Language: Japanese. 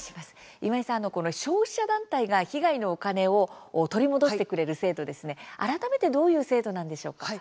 今井さん、消費者団体が被害のお金を取り戻してくれる制度、改めてどういう制度なんでしょうか。